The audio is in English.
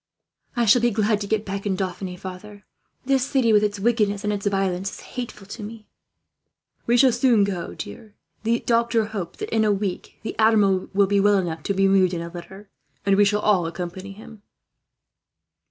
"I shall be glad to be back in Dauphiny, father. This city, with its wickedness and its violence, is hateful to me." "We shall go soon, dear. The doctor hopes that, in a week, the Admiral will be well enough to be moved in a litter; and we shall all accompany him."